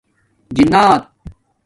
جِنات